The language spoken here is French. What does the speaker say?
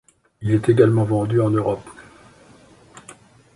Il est également vendu en Europe.